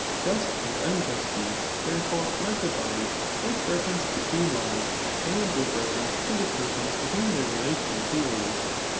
* Just and unjust deeds^ therefore, are divided with reference to two laws, ahd with reference to the persons to whom they relate in two ways.